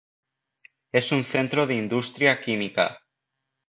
Es un centro de industria química.